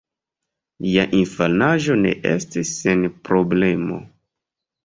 Lia infanaĝo ne estis sen problemo.